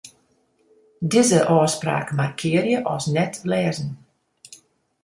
Dizze ôfspraak markearje as net-lêzen.